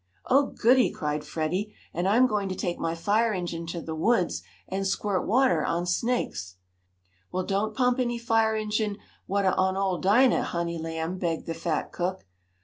"Oh, goodie!" cried Freddie. "And I'm going to take my fire engine to the woods and squirt water on snakes." "Well, don't pump any fire engine watah on ole Dinah, honey lamb!" begged the fat cook.